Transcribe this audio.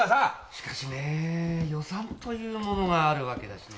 しかしねぇ予算というものがあるわけだしね。